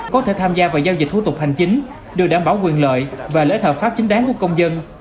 có thể tham gia vào giao dịch thủ tục hành chính được đảm bảo quyền lợi và lợi ích hợp pháp chính đáng của công dân